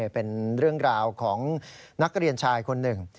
เป็นเรื่องราวของนักเรียนชายคนหนึ่ง